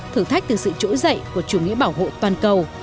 thử thách từ sự trỗi dậy của chủ nghĩa bảo hộ toàn cầu